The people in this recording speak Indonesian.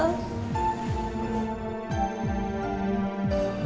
mama sedih sekali elsa